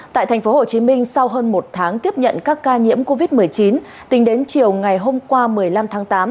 tại tp hcm sau hơn một tháng tiếp nhận các ca nhiễm covid một mươi chín tính đến chiều ngày hôm qua một mươi năm tháng tám